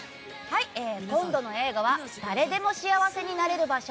今度の映画は誰でも幸せになれる場所